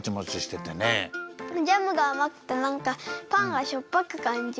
ジャムがあまくてなんかパンがしょっぱくかんじる。